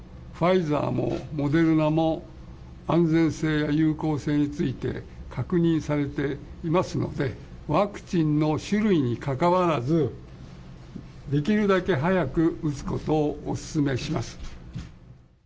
ファイザーもモデルナも、安全性や有効性について確認されていますので、ワクチンの種類にかかわらず、できるだけ早く打つことをお勧めします。